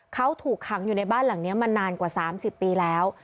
เขาถูกขังอยู่ในบ้านหลังนี้มานานกว่า๓๐ปีแล้ว